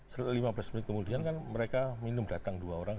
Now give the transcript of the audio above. setelah lima belas menit kemudian kan mereka minum datang dua orang